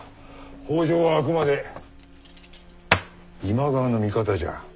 北条はあくまで今川の味方じゃ。